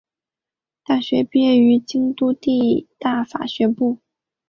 大学毕业于京都帝大法学部。